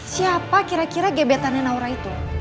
siapa kira kira gebetannya naura itu